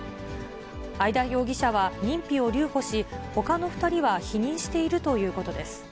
会田容疑者は認否を留保し、ほかの２人は否認しているということです。